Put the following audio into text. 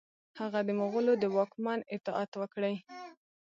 هغه د مغولو د واکمن اطاعت وکړي.